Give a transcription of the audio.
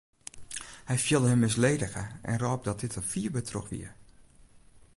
Hy fielde him misledige en rôp dat dit der fier by troch wie.